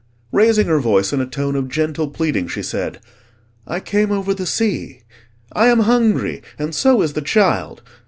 Raising her voice in a tone of gentle pleading, she said, "I came over the sea. I am hungry, and so is the child.